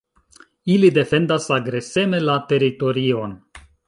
Ili defendas agreseme la teritorion.